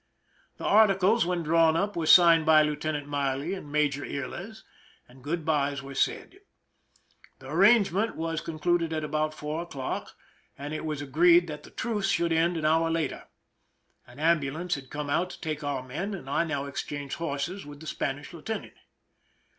The articles, when drawn up, were signed by Lieutenant Miley and Major Yrl^s, and good bys were said. The arrangement was concluded at about four o'clock, and it was agreed that the truce should end an hour later. An ambulance had come out to take our men, and I now exchanged horses with the Spanish lieutenant.